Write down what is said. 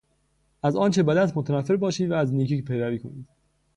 از آنچه بد است متنفر باشید و از نیکی پیروی کنید.